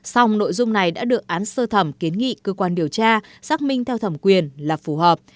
xong nội dung này đã được án sơ thẩm kiến nghị cơ quan điều tra xác minh theo thẩm quyền là phù hợp